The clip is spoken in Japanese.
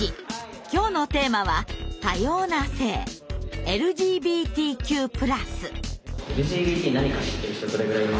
今日のテーマは多様な性「ＬＧＢＴＱ＋」。